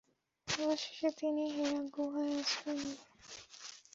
অবশেষে তিনি হেরা গুহায় আশ্রয় নিলেন।